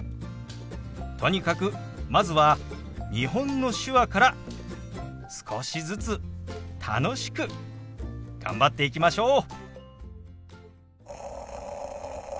とにかくまずは日本の手話から少しずつ楽しく頑張っていきましょう。